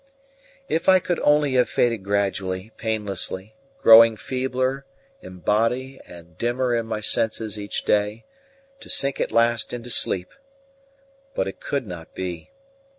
If I could only have faded gradually, painlessly, growing feebler in body and dimmer in my senses each day, to sink at last into sleep! But it could not be.